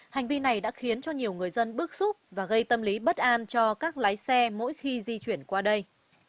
hành vi này đã khiến cho nhiều người dân bức xúc và gây tâm lý bất an cho các lái xe mỗi khi di chuyển qua đây